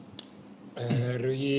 karena biasanya anda yang harus berusaha